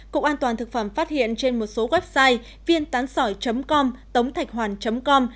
cục an toàn thực phẩm phát hiện trên một số website viên tán sỏi com tốngthạchhoan com